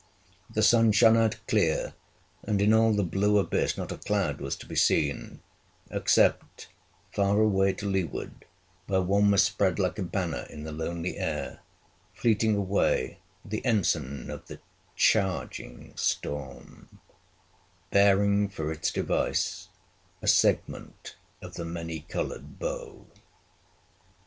The sun shone out clear, and in all the blue abyss not a cloud was to be seen, except far away to leeward, where one was spread like a banner in the lonely air, fleeting away, the ensign of the charging storm bearing for its device a segment of the many coloured bow.